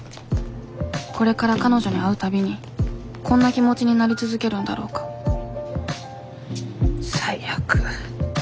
これから彼女に会うたびにこんな気持ちになり続けるんだろうか最悪。